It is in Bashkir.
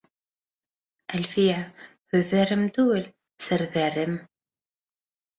Әлфиә, «һүҙҙәрем» түгел, «серҙәрем»!